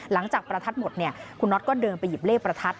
ประทัดหมดเนี่ยคุณน็อตก็เดินไปหยิบเลขประทัด